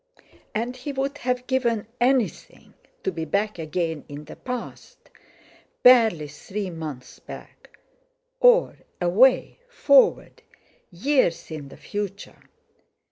And he would have given anything to be back again in the past—barely three months back; or away forward, years, in the future.